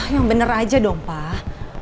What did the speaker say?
yang bener aja dong pak